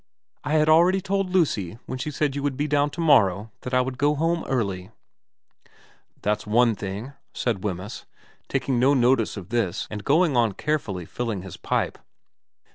* I had already told Lucy, when she said you would be down to morrow, that I would go home early.' ' That's one thing,' said Wemyss, taking no notice of this and going on carefully filling his pipe.